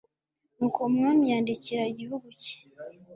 nuko umwami yandikira igihugu cye